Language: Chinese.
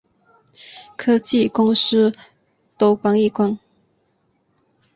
科技公司都关一关